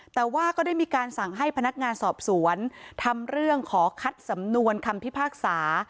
แต่ว่าก็ได้มีการสั่งให้พนักงานสอบสวนทำเรื่องขอคัดสำนวนคำพิพากษา